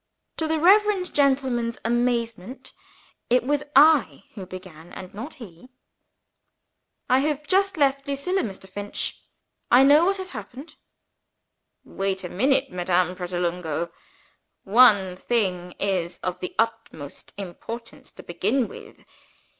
To the reverend gentleman's amazement, it was I who began and not he. "I have just left Lucilla, Mr. Finch. I know what has happened." "Wait a minute, Madame Pratolungo! One thing is of the utmost importance to begin with.